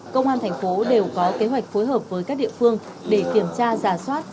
công an tp đều có kế hoạch phối hợp với các địa phương để kiểm tra giả soát